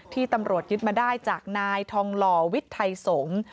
ที่ตำรวจยึดมาได้จากนายทองหล่อวิทย์ไทยสงฆ์